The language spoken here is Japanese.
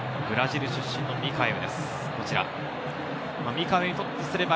ブラジル出身のミカエウです。